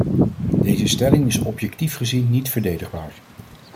Deze stelling is objectief gezien niet verdedigbaar.